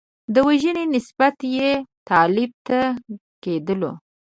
د وژنې نسبیت یې طالب ته کېدلو.